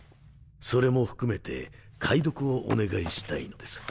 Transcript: それも含めて解読をお願いしたいのです。